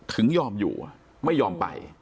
ถึงยอมอยู่ไม่ยอมไป